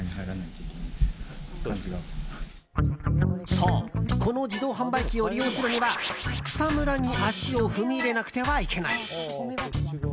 そう、この自動販売機を利用するには草むらに足を踏み入れなくてはいけない。